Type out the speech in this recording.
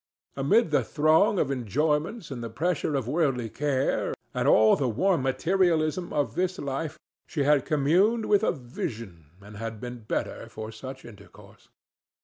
Amid the throng of enjoyments and the pressure of worldly care and all the warm materialism of this life she had communed with a vision, and had been the better for such intercourse.